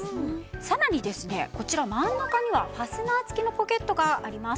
さらにですねこちら真ん中にはファスナー付きのポケットがあります。